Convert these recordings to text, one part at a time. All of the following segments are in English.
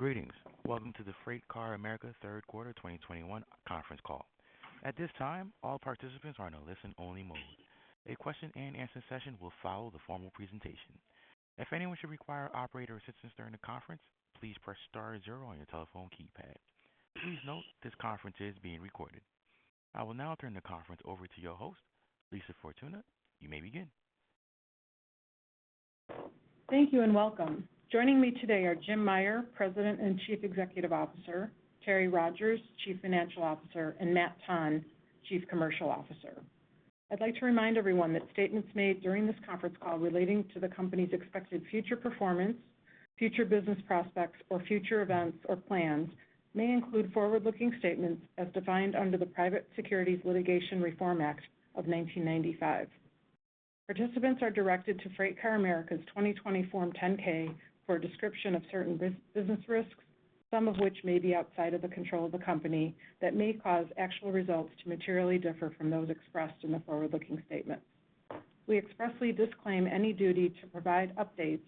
Greetings. Welcome to the FreightCar America third quarter 2021 conference call. At this time, all participants are in a listen only mode. A question and answer session will follow the formal presentation. If anyone should require operator assistance during the conference, please press star zero on your telephone keypad. Please note this conference is being recorded. I will now turn the conference over to your host, Lisa Fortuna. You may begin. Thank you, and welcome. Joining me today are Jim Meyer, President and Chief Executive Officer, Terry Rogers, Chief Financial Officer, and Matt Tonn, Chief Commercial Officer. I'd like to remind everyone that statements made during this conference call relating to the company's expected future performance, future business prospects, or future events or plans may include forward-looking statements as defined under the Private Securities Litigation Reform Act of 1995. Participants are directed to FreightCar America's 2020 Form 10-K for a description of certain business risks, some of which may be outside of the control of the company that may cause actual results to materially differ from those expressed in the forward-looking statements. We expressly disclaim any duty to provide updates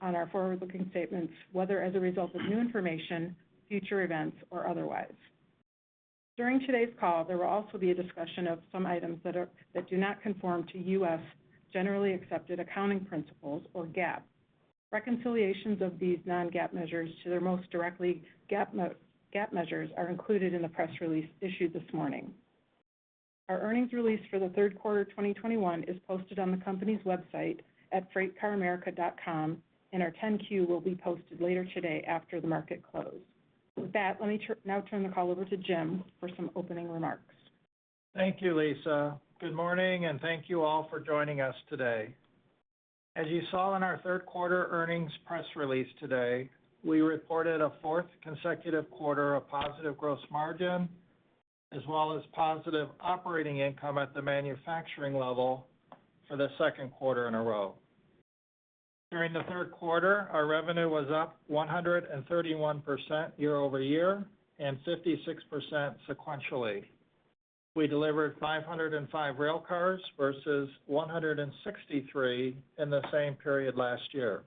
on our forward-looking statements, whether as a result of new information, future events, or otherwise. During today's call, there will also be a discussion of some items that do not conform to U.S. generally accepted accounting principles or GAAP. Reconciliations of these non-GAAP measures to their most directly comparable GAAP measures are included in the press release issued this morning. Our earnings release for the third quarter 2021 is posted on the company's website at freightcaramerica.com, and our 10-Q will be posted later today after the market close. With that, let me now turn the call over to Jim for some opening remarks. Thank you, Lisa. Good morning, and thank you all for joining us today. As you saw in our third quarter earnings press release today, we reported a fourth consecutive quarter of positive gross margin, as well as positive operating income at the manufacturing level for the second quarter in a row. During the third quarter, our revenue was up 131% year-over-year and 56% sequentially. We delivered 505 rail cars versus 163 in the same period last year.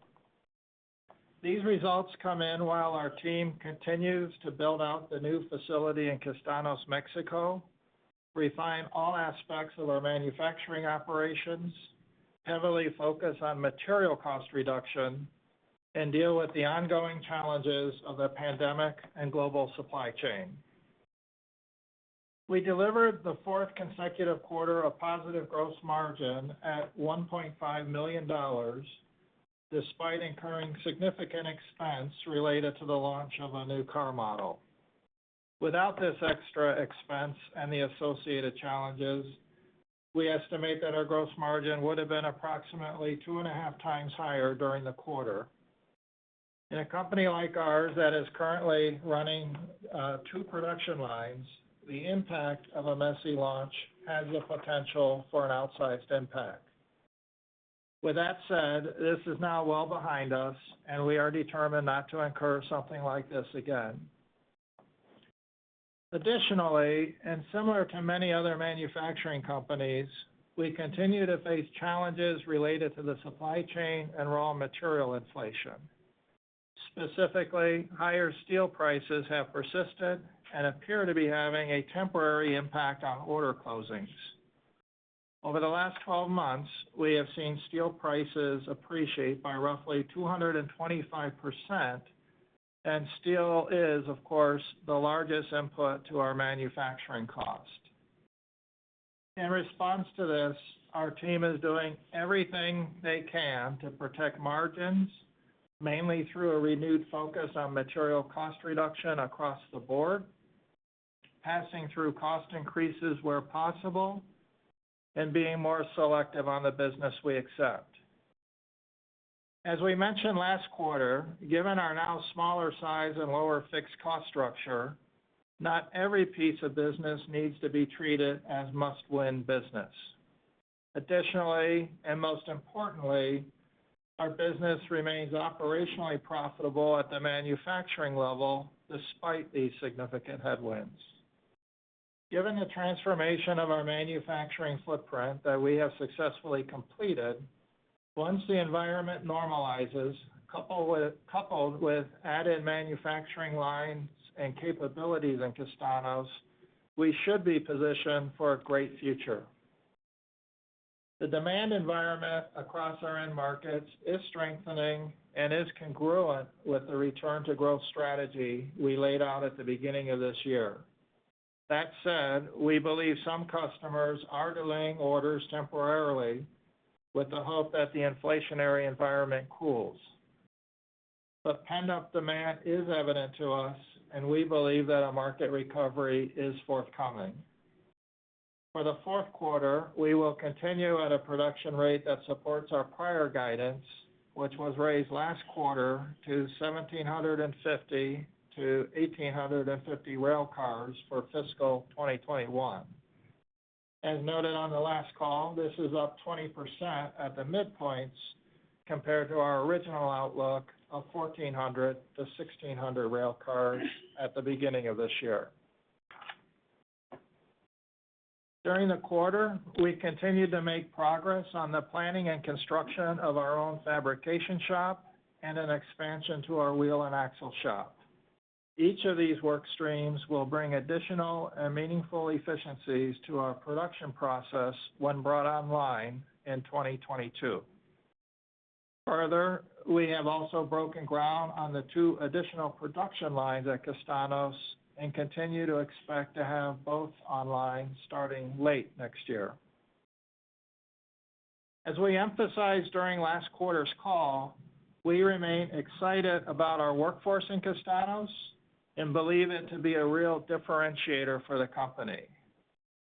These results come in while our team continues to build out the new facility in Castaños, Mexico, refine all aspects of our manufacturing operations, heavily focus on material cost reduction, and deal with the ongoing challenges of the pandemic and global supply chain. We delivered the fourth consecutive quarter of positive gross margin at $1.5 million, despite incurring significant expense related to the launch of a new car model. Without this extra expense and the associated challenges, we estimate that our gross margin would have been approximately two and a half times higher during the quarter. In a company like ours that is currently running two production lines, the impact of a messy launch has the potential for an outsized impact. With that said, this is now well behind us, and we are determined not to incur something like this again. Additionally, similar to many other manufacturing companies, we continue to face challenges related to the supply chain and raw material inflation. Specifically, higher steel prices have persisted and appear to be having a temporary impact on order closings. Over the last 12 months, we have seen steel prices appreciate by roughly 225%, and steel is, of course, the largest input to our manufacturing cost. In response to this, our team is doing everything they can to protect margins, mainly through a renewed focus on material cost reduction across the board, passing through cost increases where possible, and being more selective on the business we accept. As we mentioned last quarter, given our now smaller size and lower fixed cost structure, not every piece of business needs to be treated as must-win business. Additionally, and most importantly, our business remains operationally profitable at the manufacturing level despite these significant headwinds. Given the transformation of our manufacturing footprint that we have successfully completed, once the environment normalizes, coupled with added manufacturing lines and capabilities in Castaños, we should be positioned for a great future. The demand environment across our end markets is strengthening and is congruent with the return to growth strategy we laid out at the beginning of this year. That said, we believe some customers are delaying orders temporarily with the hope that the inflationary environment cools. Pent-up demand is evident to us, and we believe that a market recovery is forthcoming. For the fourth quarter, we will continue at a production rate that supports our prior guidance, which was raised last quarter to 1,750-1,850 rail cars for fiscal 2021. As noted on the last call, this is up 20% at the midpoints compared to our original outlook of 1,400-1,600 rail cars at the beginning of this year. During the quarter, we continued to make progress on the planning and construction of our own fabrication shop and an expansion to our wheel and axle shop. Each of these work streams will bring additional and meaningful efficiencies to our production process when brought online in 2022. Further, we have also broken ground on the two additional production lines at Castaños and continue to expect to have both online starting late next year. As we emphasized during last quarter's call, we remain excited about our workforce in Castaños and believe it to be a real differentiator for the company.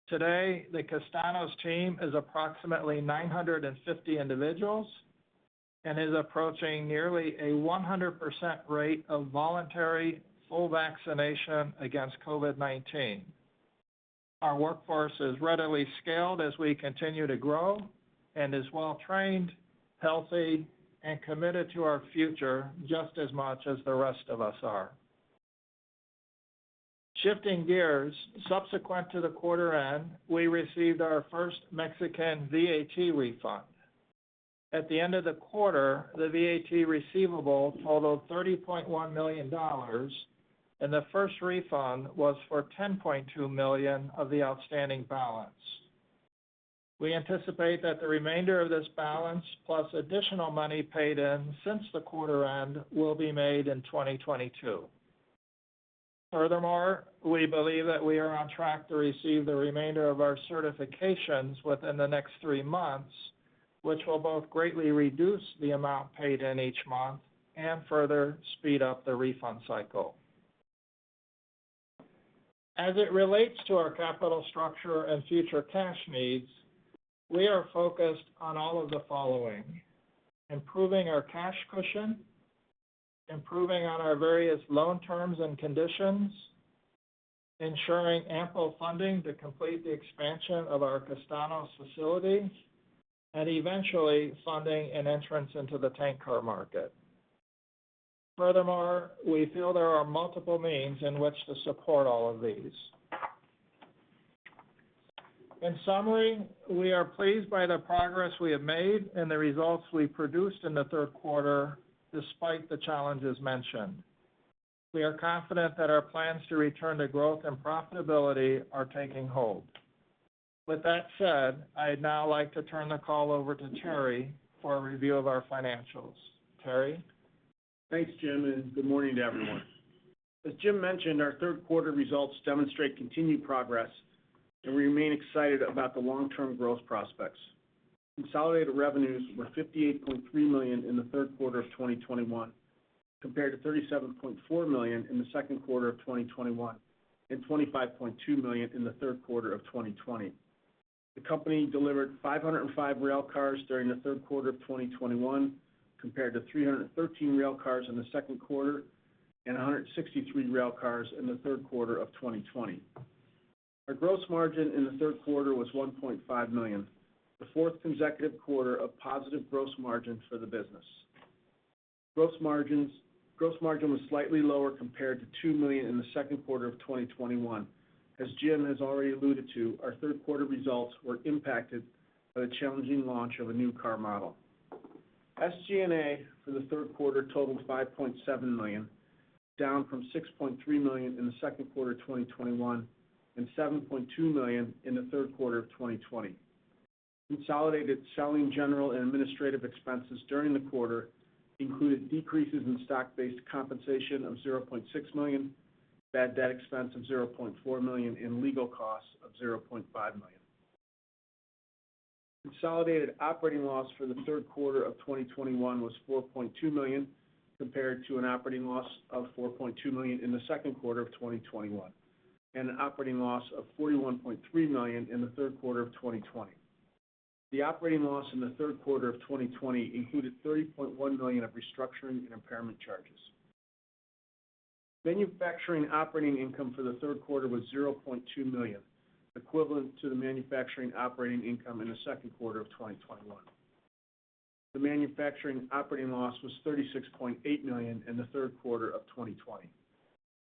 Today, the Castaños team is approximately 950 individuals and is approaching nearly a 100% rate of voluntary full vaccination against COVID-19. Our workforce is readily scaled as we continue to grow and is well trained, healthy, and committed to our future just as much as the rest of us are. Shifting gears, subsequent to the quarter end, we received our first Mexican VAT refund. At the end of the quarter, the VAT receivable totaled $30.1 million, and the first refund was for $10.2 million of the outstanding balance. We anticipate that the remainder of this balance, plus additional money paid in since the quarter end, will be made in 2022. Furthermore, we believe that we are on track to receive the remainder of our certifications within the next three months, which will both greatly reduce the amount paid in each month and further speed up the refund cycle. As it relates to our capital structure and future cash needs, we are focused on all of the following. Improving our cash cushion, improving on our various loan terms and conditions, ensuring ample funding to complete the expansion of our Castaños facility, and eventually funding an entrance into the tank car market. Furthermore, we feel there are multiple means in which to support all of these. In summary, we are pleased by the progress we have made and the results we produced in the third quarter despite the challenges mentioned. We are confident that our plans to return to growth and profitability are taking hold. With that said, I'd now like to turn the call over to Terry for a review of our financials. Terry? Thanks, Jim, and good morning to everyone. As Jim mentioned, our third quarter results demonstrate continued progress, and we remain excited about the long-term growth prospects. Consolidated revenues were $58.3 million in the third quarter of 2021 compared to $37.4 million in the second quarter of 2021 and $25.2 million in the third quarter of 2020. The company delivered 505 railcars during the third quarter of 2021 compared to 313 railcars in the second quarter and 163 railcars in the third quarter of 2020. Our gross margin in the third quarter was $1.5 million, the fourth consecutive quarter of positive gross margin for the business. Gross margin was slightly lower compared to $2 million in the second quarter of 2021. As Jim has already alluded to, our third quarter results were impacted by the challenging launch of a new car model. SG&A for the third quarter totaled $5.7 million, down from $6.3 million in the second quarter of 2021 and $7.2 million in the third quarter of 2020. Consolidated selling general and administrative expenses during the quarter included decreases in stock-based compensation of $0.6 million, bad debt expense of $0.4 million, and legal costs of $0.5 million. Consolidated operating loss for the third quarter of 2021 was $4.2 million compared to an operating loss of $4.2 million in the second quarter of 2021 and an operating loss of $41.3 million in the third quarter of 2020. The operating loss in the third quarter of 2020 included $30.1 million of restructuring and impairment charges. Manufacturing operating income for the third quarter was $0.2 million, equivalent to the manufacturing operating income in the second quarter of 2021. The manufacturing operating loss was $36.8 million in the third quarter of 2020.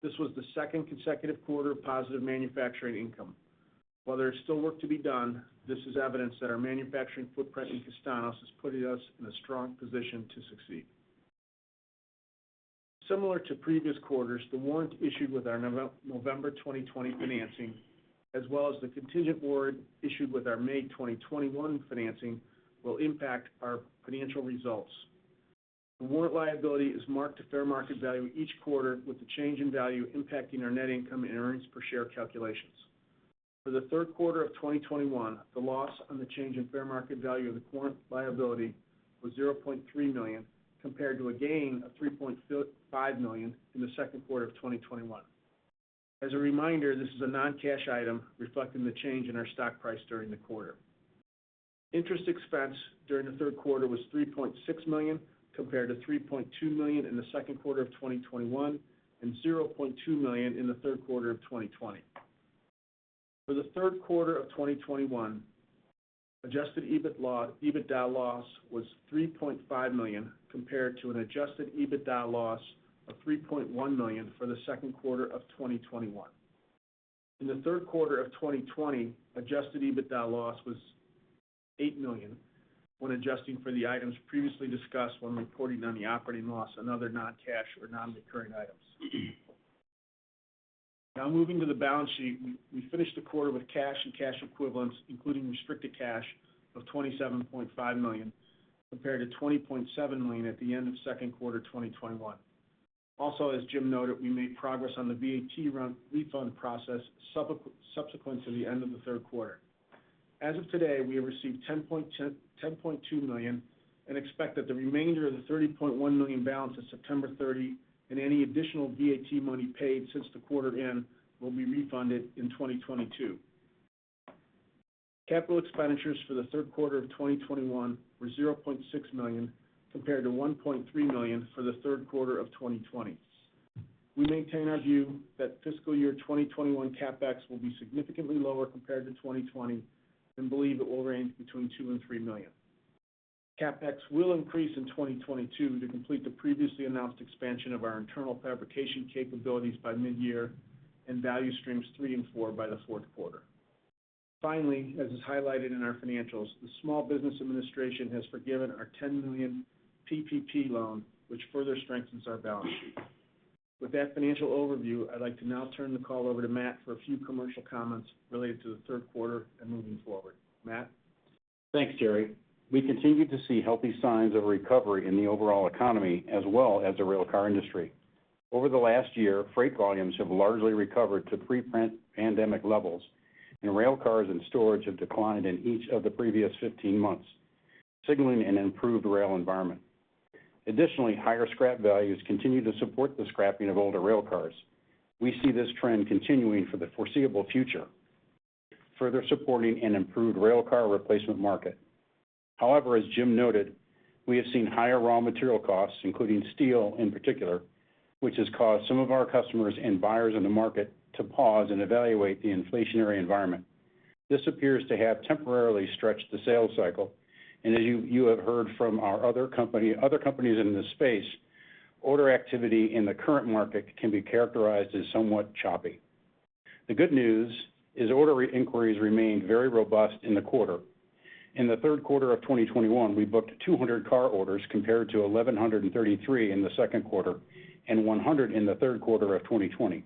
This was the second consecutive quarter of positive manufacturing income. While there is still work to be done, this is evidence that our manufacturing footprint in Castaños is putting us in a strong position to succeed. Similar to previous quarters, the warrant issued with our November 2020 financing, as well as the contingent warrant issued with our May 2021 financing, will impact our financial results. The warrant liability is marked to fair market value each quarter, with the change in value impacting our net income and earnings per share calculations. For the third quarter of 2021, the loss on the change in fair market value of the warrant liability was $0.3 million, compared to a gain of $3.5 million in the second quarter of 2021. As a reminder, this is a non-cash item reflecting the change in our stock price during the quarter. Interest expense during the third quarter was $3.6 million, compared to $3.2 million in the second quarter of 2021 and $0.2 million in the third quarter of 2020. For the third quarter of 2021, adjusted EBITDA loss was $3.5 million compared to an adjusted EBITDA loss of $3.1 million for the second quarter of 2021. In the third quarter of 2020, adjusted EBITDA loss was $8 million when adjusting for the items previously discussed when reporting on the operating loss and other non-cash or non-recurring items. Now moving to the balance sheet, we finished the quarter with cash and cash equivalents, including restricted cash of $27.5 million, compared to $20.7 million at the end of second quarter 2021. Also, as Jim noted, we made progress on the VAT refund process subsequent to the end of the third quarter. As of today, we have received $10.2 million and expect that the remainder of the $30.1 million balance as of September 30 and any additional VAT money paid since the quarter end will be refunded in 2022. Capital expenditures for the third quarter of 2021 were $0.6 million, compared to $1.3 million for the third quarter of 2020. We maintain our view that fiscal year 2021 CapEx will be significantly lower compared to 2020 and believe it will range between $2 million and $3 million. CapEx will increase in 2022 to complete the previously announced expansion of our internal fabrication capabilities by mid-year and value streams three and four by the fourth quarter. Finally, as is highlighted in our financials, the Small Business Administration has forgiven our $10 million PPP loan, which further strengthens our balance sheet. With that financial overview, I'd like to now turn the call over to Matt for a few commercial comments related to the third quarter and moving forward. Matt? Thanks, Terry. We continue to see healthy signs of recovery in the overall economy as well as the railcar industry. Over the last year, freight volumes have largely recovered to pre-pandemic levels, and railcars and storage have declined in each of the previous 15 months, signaling an improved rail environment. Additionally, higher scrap values continue to support the scrapping of older railcars. We see this trend continuing for the foreseeable future, further supporting an improved railcar replacement market. However, as Jim noted, we have seen higher raw material costs, including steel in particular, which has caused some of our customers and buyers in the market to pause and evaluate the inflationary environment. This appears to have temporarily stretched the sales cycle, and as you have heard from our other companies in this space, order activity in the current market can be characterized as somewhat choppy. The good news is order inquiries remained very robust in the quarter. In the third quarter of 2021, we booked 200 car orders compared to 1,133 in the second quarter and 100 in the third quarter of 2020.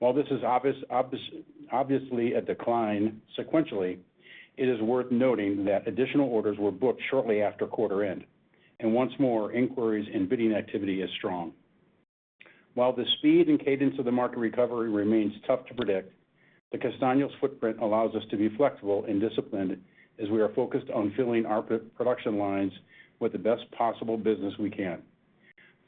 While this is obviously a decline sequentially, it is worth noting that additional orders were booked shortly after quarter end. Once more, inquiries and bidding activity is strong. While the speed and cadence of the market recovery remains tough to predict, the Castaños footprint allows us to be flexible and disciplined as we are focused on filling our pre-production lines with the best possible business we can.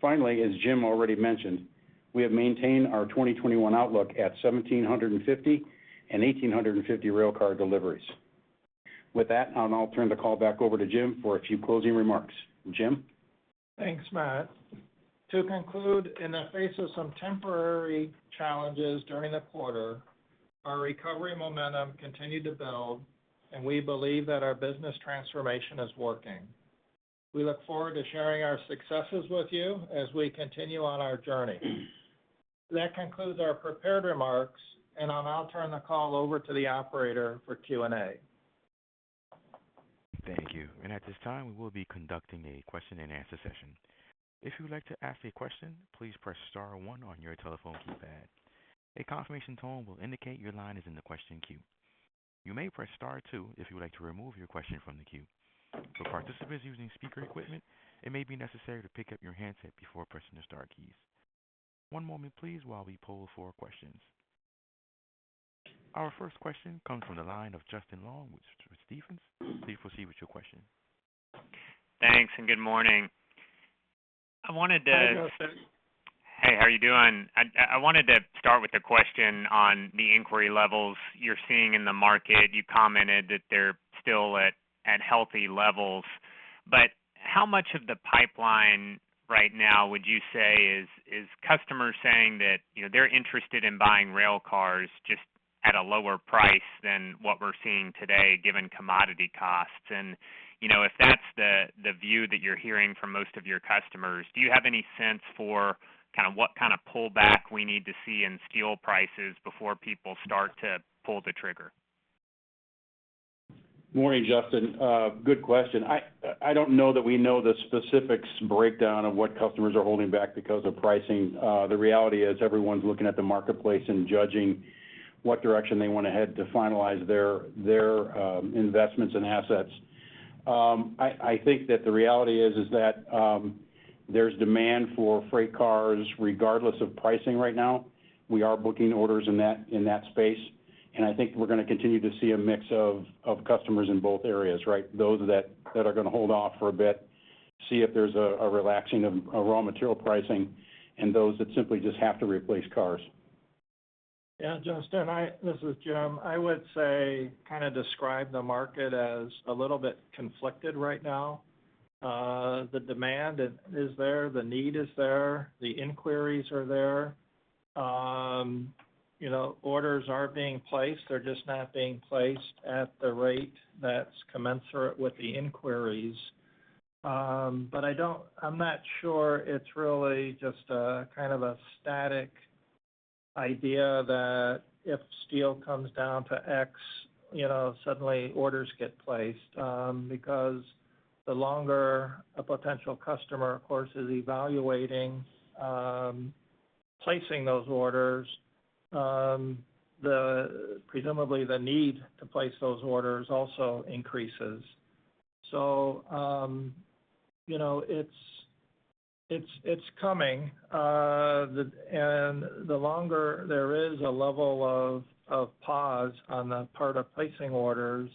Finally, as Jim already mentioned, we have maintained our 2021 outlook at 1,750-1,850 railcar deliveries. With that, I'll now turn the call back over to Jim for a few closing remarks. Jim? Thanks, Matt. To conclude, in the face of some temporary challenges during the quarter, our recovery momentum continued to build and we believe that our business transformation is working. We look forward to sharing our successes with you as we continue on our journey. That concludes our prepared remarks, and I'll now turn the call over to the operator for Q&A. Thank you. At this time, we will be conducting a question and answer session. If you would like to ask a question, please press star one on your telephone keypad. A confirmation tone will indicate your line is in the question queue. You may press star two if you would like to remove your question from the queue. For participants using speaker equipment, it may be necessary to pick up your handset before pressing the star keys. One moment please while we poll for questions. Our first question comes from the line of Justin Long with Stephens. Please proceed with your question. Thanks. Good morning. I wanted to Hi, Justin. Hey, how are you doing? I wanted to start with a question on the inquiry levels you're seeing in the market. You commented that they're still at healthy levels. How much of the pipeline right now would you say is customers saying that, you know, they're interested in buying railcars just at a lower price than what we're seeing today, given commodity costs? And, you know, if that's the view that you're hearing from most of your customers, do you have any sense for kind of what kind of pullback we need to see in steel prices before people start to pull the trigger? Morning, Justin. Good question. I don't know that we know the specifics breakdown of what customers are holding back because of pricing. The reality is everyone's looking at the marketplace and judging what direction they wanna head to finalize their investments and assets. I think that the reality is that there's demand for freight cars regardless of pricing right now. We are booking orders in that space, and I think we're gonna continue to see a mix of customers in both areas, right? Those that are gonna hold off for a bit, see if there's a relaxing of raw material pricing and those that simply just have to replace cars. Yeah, Justin, this is Jim. I would say kinda describe the market as a little bit conflicted right now. The demand is there, the need is there, the inquiries are there. You know, orders are being placed. They're just not being placed at the rate that's commensurate with the inquiries. But I'm not sure it's really just a kind of a static idea that if steel comes down to X, you know, suddenly orders get placed. Because the longer a potential customer, of course, is evaluating placing those orders, the presumably the need to place those orders also increases. You know, it's coming. The longer there is a level of pause on the part of placing orders,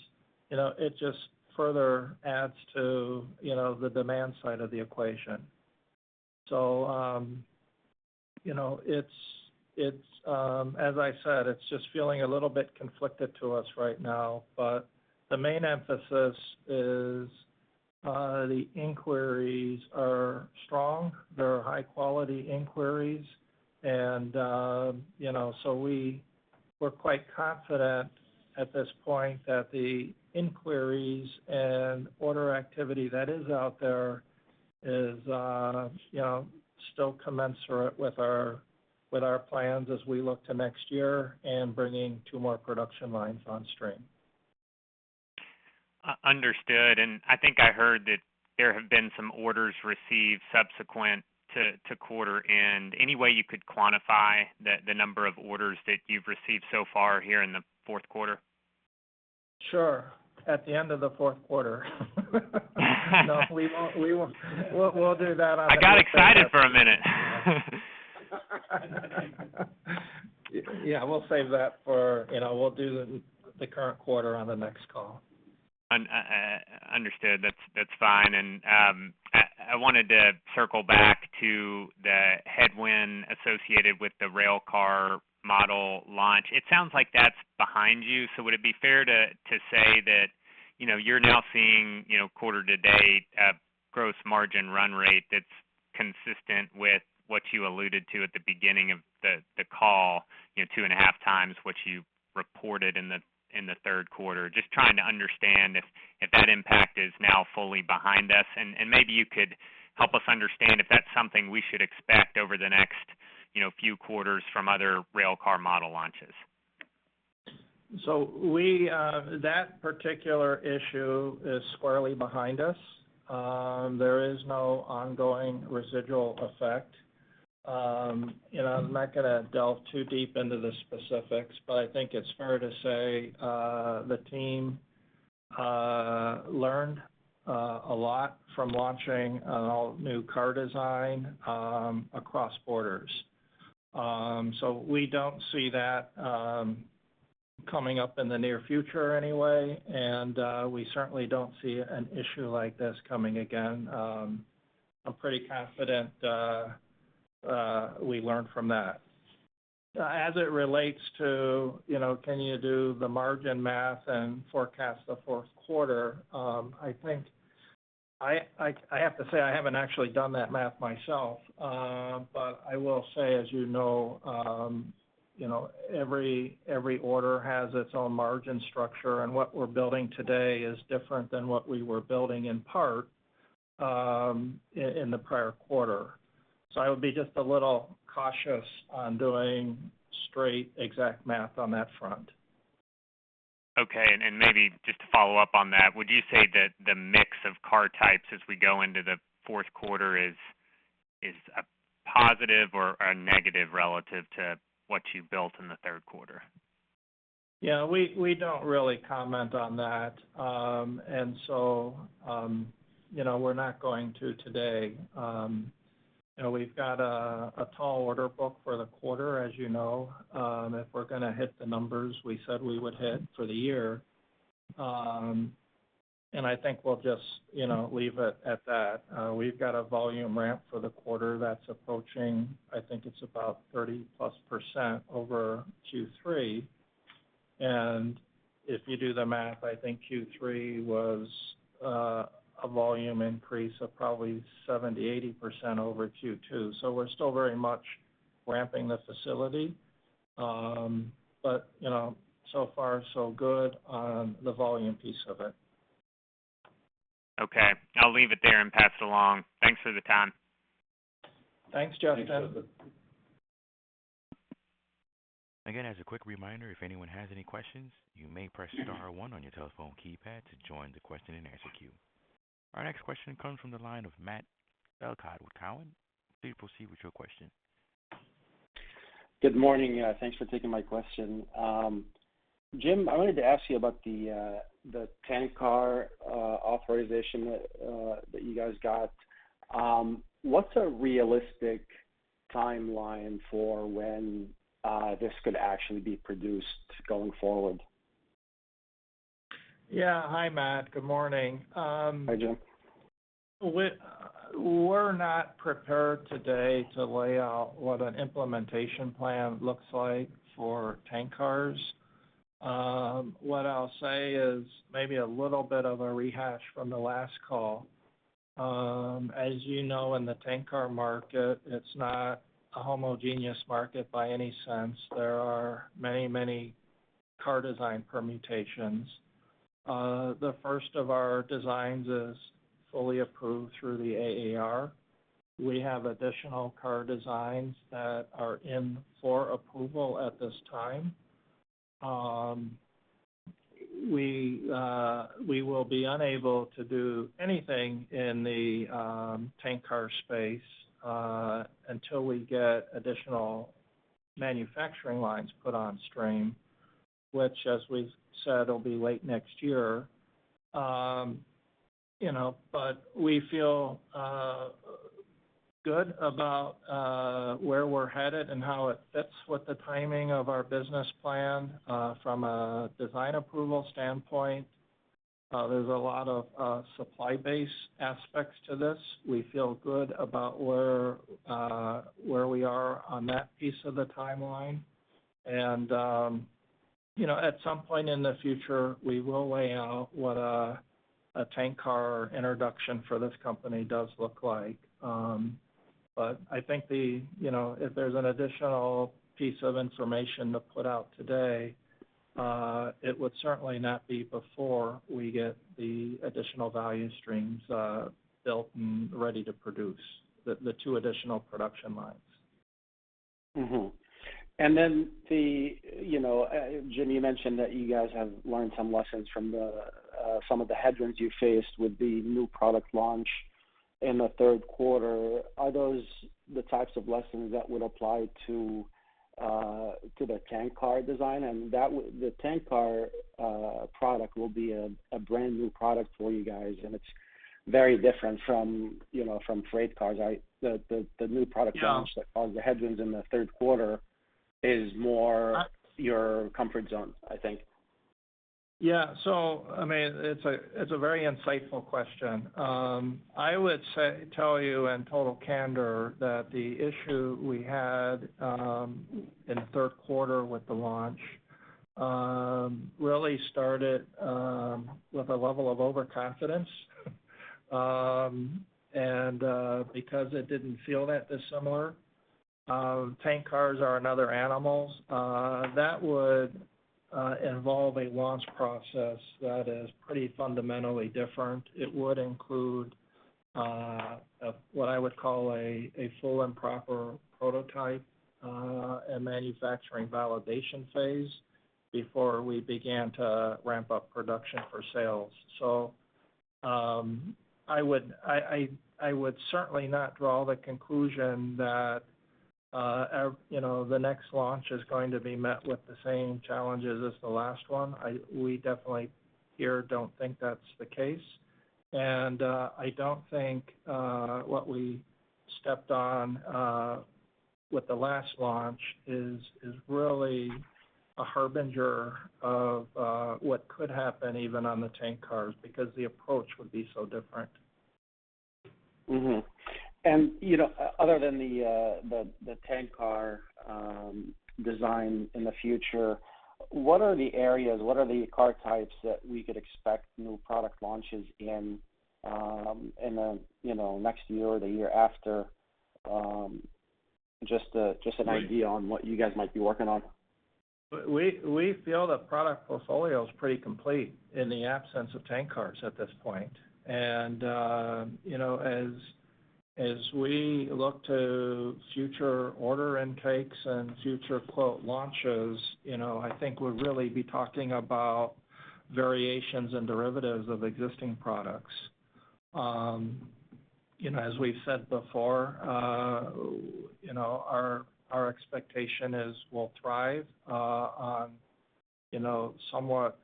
you know, it just further adds to, you know, the demand side of the equation. You know, it's as I said, it's just feeling a little bit conflicted to us right now. The main emphasis is the inquiries are strong. They're high-quality inquiries and you know. We're quite confident at this point that the inquiries and order activity that is out there is you know still commensurate with our plans as we look to next year and bringing two more production lines on stream. Understood. I think I heard that there have been some orders received subsequent to quarter end. Any way you could quantify the number of orders that you've received so far here in the fourth quarter? Sure. At the end of the fourth quarter. No, we won't. We'll do that on- I got excited for a minute. Yeah, we'll save that for, you know, we'll do the current quarter on the next call. Understood. That's fine. I wanted to circle back to the headwind associated with the railcar model launch. It sounds like that's behind you. Would it be fair to say that, you know, you're now seeing, you know, quarter-to-date gross margin run rate that's consistent with what you alluded to at the beginning of the call, you know, 2.5x what you reported in the third quarter? Just trying to understand if that impact is now fully behind us. Maybe you could help us understand if that's something we should expect over the next, you know, few quarters from other railcar model launches. That particular issue is squarely behind us. There is no ongoing residual effect. I'm not gonna delve too deep into the specifics, but I think it's fair to say the team learned a lot from launching an all-new car design across borders. We don't see that coming up in the near future anyway, and we certainly don't see an issue like this coming again. I'm pretty confident we learned from that. As it relates to, you know, can you do the margin math and forecast the fourth quarter? I think I have to say I haven't actually done that math myself. I will say, as you know, you know, every order has its own margin structure, and what we're building today is different than what we were building in part, in the prior quarter. I would be just a little cautious on doing straight exact math on that front. Okay. Maybe just to follow up on that, would you say that the mix of car types as we go into the fourth quarter is a positive or a negative relative to what you built in the third quarter? We don't really comment on that. You know, we're not going to today. You know, we've got a tall order book for the quarter, as you know, if we're gonna hit the numbers we said we would hit for the year. I think we'll just, you know, leave it at that. We've got a volume ramp for the quarter that's approaching, I think it's about 30%+ over Q3. If you do the math, I think Q3 was a volume increase of probably 70%-80% over Q2. We're still very much ramping the facility. You know, so far so good on the volume piece of it. Okay. I'll leave it there and pass it along. Thanks for the time. Thanks, Justin. Thanks, Justin. Again, as a quick reminder, if anyone has any questions, you may press star one on your telephone keypad to join the question-and-answer queue. Our next question comes from the line of Matt Elkott with Cowen. Please proceed with your question. Good morning. Thanks for taking my question. Jim, I wanted to ask you about the tank car authorization that you guys got. What's a realistic timeline for when this could actually be produced going forward? Yeah. Hi, Matt. Good morning. Hi, Jim. We're not prepared today to lay out what an implementation plan looks like for tank cars. What I'll say is maybe a little bit of a rehash from the last call. As you know, in the tank car market, it's not a homogeneous market by any sense. There are many, many car design permutations. The first of our designs is fully approved through the AAR. We have additional car designs that are in for approval at this time. We will be unable to do anything in the tank car space until we get additional manufacturing lines put on stream, which as we've said, will be late next year. You know, but we feel good about where we're headed and how it fits with the timing of our business plan from a design approval standpoint. There's a lot of supply base aspects to this. We feel good about where we are on that piece of the timeline. You know, at some point in the future, we will lay out what a tank car introduction for this company does look like. But I think, you know, if there's an additional piece of information to put out today, it would certainly not be before we get the additional value streams built and ready to produce the two additional production lines. Mm-hmm. Then, you know, Jim, you mentioned that you guys have learned some lessons from some of the headwinds you faced with the new product launch in the third quarter. Are those the types of lessons that would apply to the tank car design? The tank car product will be a brand-new product for you guys, and it's very different from, you know, from freight cars. The new product Yeah launch, the headwinds in the third quarter is more your comfort zone, I think. I mean, it's a very insightful question. I would tell you in total candor that the issue we had in the third quarter with the launch really started with a level of overconfidence and because it didn't feel that dissimilar. Tank cars are another animal that would involve a launch process that is pretty fundamentally different. It would include what I would call a full and proper prototype and manufacturing validation phase before we began to ramp up production for sales. I would certainly not draw the conclusion that you know the next launch is going to be met with the same challenges as the last one. We definitely, here, don't think that's the case. I don't think what we stepped on with the last launch is really a harbinger of what could happen even on the tank cars, because the approach would be so different. You know, other than the tank car design in the future, what are the areas, what are the car types that we could expect new product launches in the you know next year or the year after? Just an idea- We- on what you guys might be working on. We feel the product portfolio is pretty complete in the absence of tank cars at this point. You know, as we look to future order intakes and future quote launches, you know, I think we'll really be talking about variations and derivatives of existing products. You know, as we've said before, you know, our expectation is we'll thrive on you know, somewhat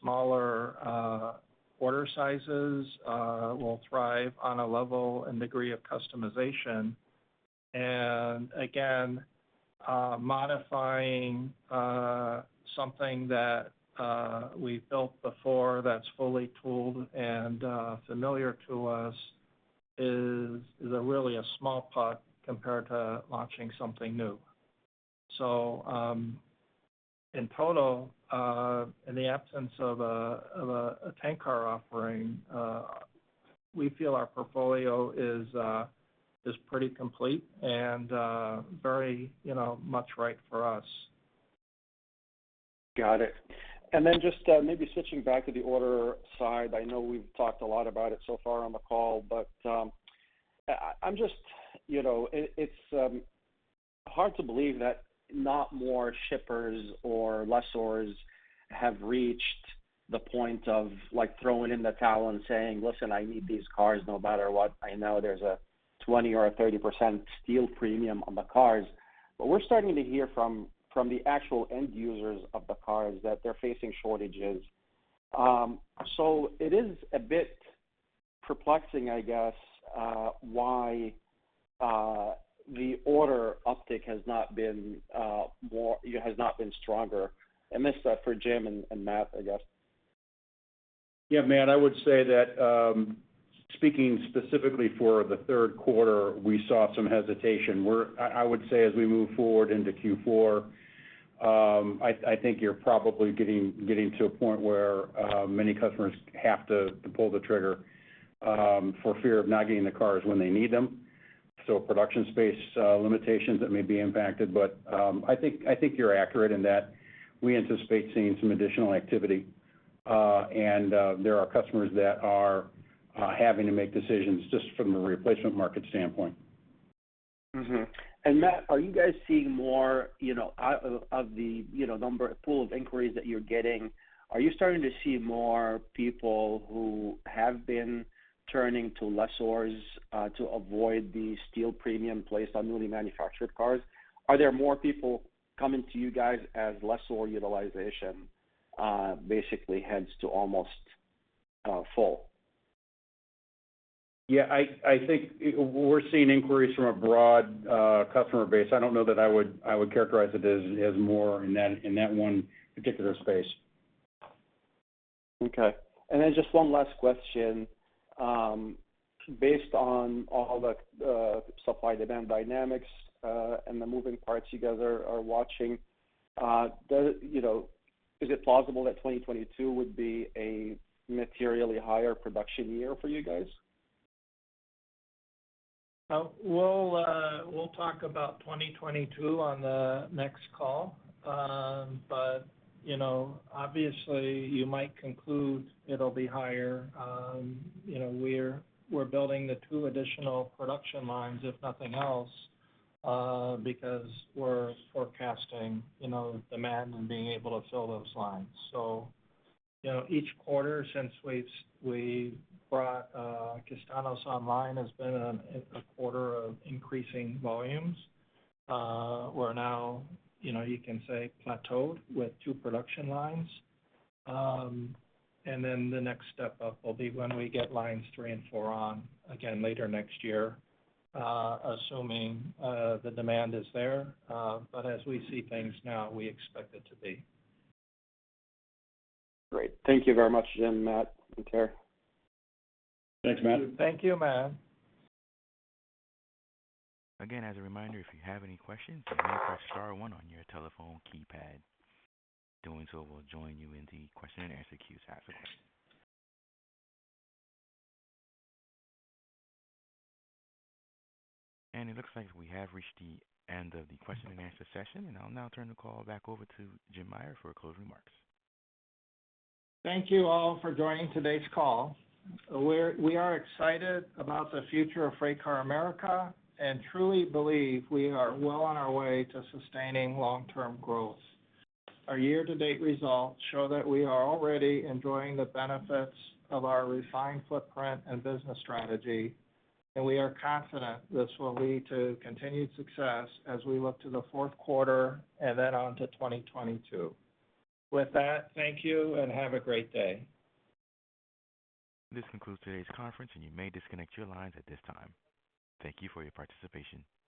smaller order sizes, we'll thrive on a level and degree of customization. Again, modifying something that we've built before that's fully tooled and familiar to us is a really small part compared to launching something new. In total, in the absence of a tank car offering, we feel our portfolio is pretty complete and very, you know, much right for us. Got it. Then just maybe switching back to the order side. I know we've talked a lot about it so far on the call, but I'm just, you know. It's hard to believe that not more shippers or lessors have reached the point of like, throwing in the towel and saying, "Listen, I need these cars no matter what. I know there's a 20% or 30% steel premium on the cars." We're starting to hear from the actual end users of the cars that they're facing shortages. It is a bit perplexing, I guess, why the order uptick has not been stronger. This for Jim and Matt, I guess. Yeah, Matt, I would say that, speaking specifically for the third quarter, we saw some hesitation, where I would say as we move forward into Q4, I think you're probably getting to a point where many customers have to pull the trigger for fear of not getting the cars when they need them. Production space limitations that may be impacted. I think you're accurate in that we anticipate seeing some additional activity, and there are customers that are having to make decisions just from a replacement market standpoint. Matt, are you guys seeing more, you know, out of the, you know, pool of inquiries that you're getting, are you starting to see more people who have been turning to lessors to avoid the steel premium placed on newly manufactured cars? Are there more people coming to you guys as lessor utilization basically heads to almost full? Yeah, I think we're seeing inquiries from a broad customer base. I don't know that I would characterize it as more in that one particular space. Okay. Just one last question. Based on all the supply-demand dynamics and the moving parts you guys are watching, you know, is it plausible that 2022 would be a materially higher production year for you guys? Well, we'll talk about 2022 on the next call. You know, obviously, you might conclude it'll be higher. You know, we're building the two additional production lines, if nothing else, because we're forecasting, you know, demand and being able to fill those lines. You know, each quarter since we brought Castaños online has been a quarter of increasing volumes. We're now, you know, you can say plateaued with two production lines. Then the next step up will be when we get lines three and four on again later next year, assuming the demand is there. As we see things now, we expect it to be. Great. Thank you very much, Jim, Matt, and Terry. Thanks, Matt. Thank you, Matt. Again, as a reminder, if you have any questions, you may press star one on your telephone keypad. Doing so will join you in the question and answer queue subsequently. It looks like we have reached the end of the question and answer session, and I'll now turn the call back over to Jim Meyer for closing remarks. Thank you all for joining today's call. We are excited about the future of FreightCar America and truly believe we are well on our way to sustaining long-term growth. Our year-to-date results show that we are already enjoying the benefits of our refined footprint and business strategy, and we are confident this will lead to continued success as we look to the fourth quarter and then on to 2022. With that, thank you and have a great day. This concludes today's conference, and you may disconnect your lines at this time. Thank you for your participation.